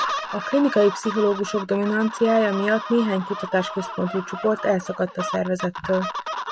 A klinikai pszichológusok dominanciája miatt néhány kutatás központú csoport elszakadt a szervezettől.